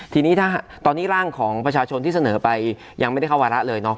ทีนี้ถ้าตอนนี้ร่างของประชาชนที่เสนอไปยังไม่ได้เข้าวาระเลยเนาะ